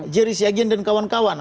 jeris yagin dan kawan kawan